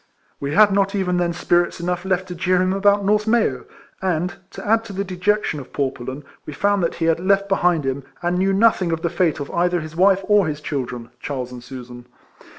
We had not even then spirits enough left to jeer him about North May/w; and, to add to the dejection of poor Pullen, we found that he had left behind him, and knew nothing of the fate of either his wife or his children, Charles and Susan.